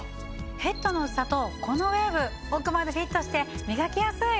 ヘッドの薄さとこのウェーブ奥までフィットして磨きやすい！